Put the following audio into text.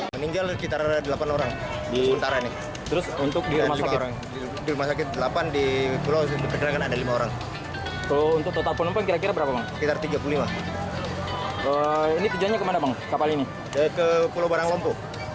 masih kita dalamin dulu